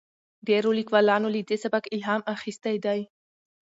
ډیرو لیکوالانو له دې سبک الهام اخیستی دی.